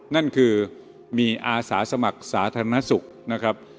นั่นคือมีอาสาสมัครสาธารณสุขนะครับ